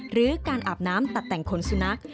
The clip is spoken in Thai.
หรือการอาบน้ำตัดแต่งขนสุนัข